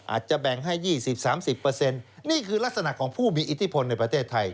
อาจจะแบ่งให้๒๐๓๐นี่คือลักษณะของผู้มีอิทธิพลในประเทศไทย